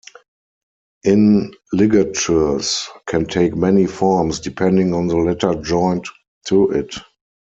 In ligatures can take many forms depending on the letter joined to it.